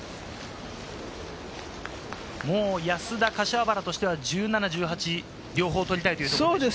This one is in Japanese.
安田、柏原としては１７、１８、両方取りたいというところですね。